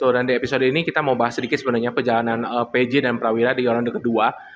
dan di episode ini kita mau bahas sedikit sebenarnya perjalanan pj dan prawira di orang kedua